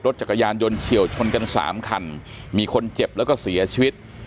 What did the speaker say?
จักรยานยนเฉียวชนกันสามคันมีคนเจ็บแล้วก็เสียชีวิต